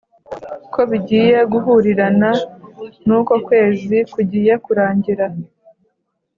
ko bigiye guhurirana nuko ukwezi kugiye kurangira